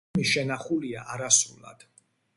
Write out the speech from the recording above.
ფილმი შენახულია არასრულად.